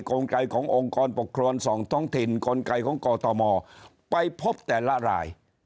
กลไกขององค์กรปกครองท้องถิ่นกลไกของกตมไปพบแต่ละราย